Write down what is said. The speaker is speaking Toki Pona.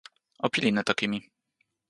o pilin e toki mi.